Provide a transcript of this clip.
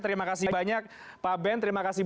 terima kasih banyak pak ben terima kasih